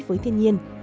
với thiên nhiên